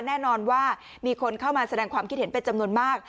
แน่นอนว่ามีคนเข้ามาแสดงความคิดเห็นเป็นจำนวนมาก